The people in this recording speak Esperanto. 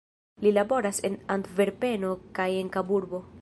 Li laboras en Antverpeno kaj en Kaburbo.